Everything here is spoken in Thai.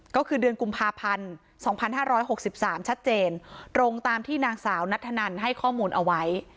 ก็คือเดือนกุมภาพันธ์สองพันห้าร้อยหกสิบสามชัดเจนตรงตามที่นางสาวนัทธนันให้ข้อมูลเอาไว้